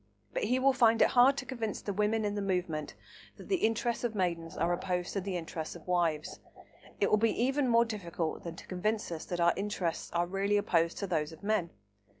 But he will find it hard to convince the women in the movement that the interests of maidens are opposed to the interests of wives. It will be even more difficult than to convince us that our interests are really opposed to those of men.